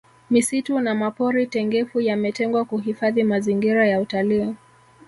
misitu na mapori tengefu yametengwa kuhifadhi mazingira ya utalii